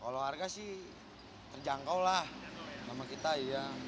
kalau harga sih terjangkau lah sama kita